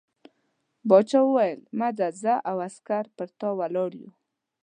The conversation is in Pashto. باچا وویل مه ځه زه او عسکر پر تا ولاړ یو.